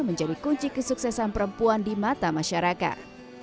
menjadi kunci kesuksesan perempuan di mata masyarakat